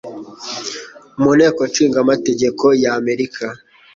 mu nteko ishingamategeko y'Amerika